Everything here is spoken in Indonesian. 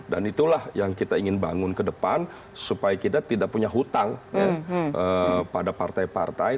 dan itulah yang kita ingin bangun ke depan supaya kita tidak punya hutang pada partai partai